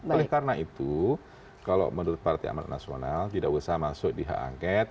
oleh karena itu kalau menurut partai amat nasional tidak usah masuk di hak angket